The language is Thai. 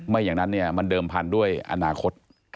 อย่างนั้นมันเดิมพันธุ์ด้วยอนาคต